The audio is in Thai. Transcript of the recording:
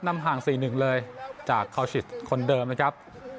นำห่างสี่หนึ่งเลยจากคาวซิชคนเดิมนะครับ